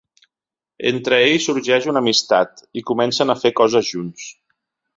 Entre ells sorgeix una amistat i comencen a fer coses junts.